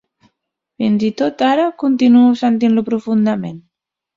Fins i tot ara, continuo sentint-lo profundament.